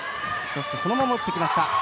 そのまま打ってきました。